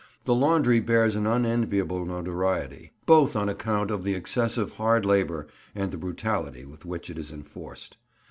The laundry bears an unenviable notoriety, both on account of the excessive hard labour and the brutality with which it is enforced.